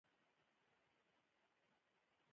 که د کلتور خبره وي ایا دا کلتور و.